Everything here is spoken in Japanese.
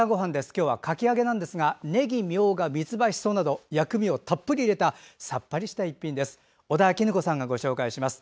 今日はかき揚げなんですがねぎ、みょうが、みつばしそなど薬味をたっぷり載せたさっぱりな一品です。